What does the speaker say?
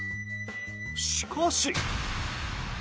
しかし。